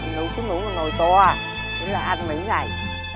nấu chứ nấu một nồi to à nên là ăn mấy ngày